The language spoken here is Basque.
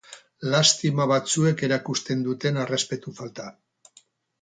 Lastima batzuek erakusten duten errespetu falta.